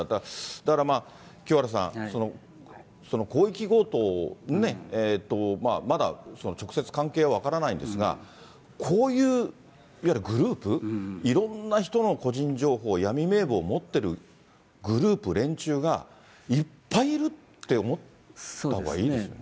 だからまあ、清原さん、広域強盗、まだ直接関係は分からないんですが、こういういわゆるグループ、いろんな人の個人情報、闇名簿を持ってるグループ、連中が、いっぱいいるって思ったほうがいいですよね。